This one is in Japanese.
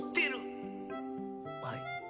はい。